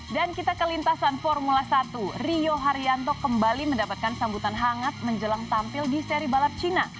dan kita ke lintasan formula satu rio haryanto kembali mendapatkan sambutan hangat menjelang tampil di seri balap cina